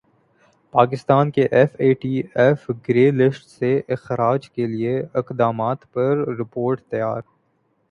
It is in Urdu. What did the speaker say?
پاکستان کے F A T F grey list سے اخراج کیلئے اقدامات پر رپورٹ تیار